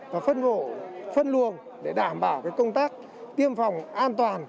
và phân hộ phân luồng để đảm bảo công tác tiêm phòng an toàn